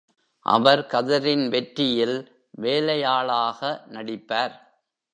அவர் கதரின் வெற்றியில் வேலையாளாக நடிப்பார்.